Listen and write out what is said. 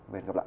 và hẹn gặp lại